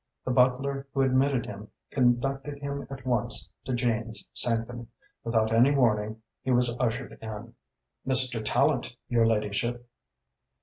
The butler who admitted him conducted him at once to Jane's sanctum. Without any warning he was ushered in. "Mr. Tallente, your ladyship."